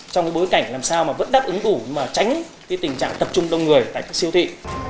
trong bối cảnh làm sao mà vẫn đáp ứng ủ mà tránh tình trạng tập trung đông người tại các siêu thị